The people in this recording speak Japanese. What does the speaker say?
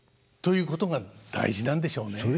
ということが大事なんでしょうね。